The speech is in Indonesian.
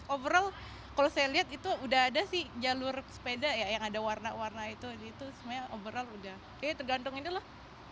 overall kalau saya lihat itu sudah ada sih jalur sepeda yang ada warna warna itu itu sebenarnya overall sudah tergantung ini loh